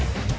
ya aku sama